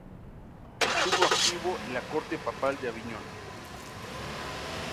Estuvo activo en la corte papal de Aviñón.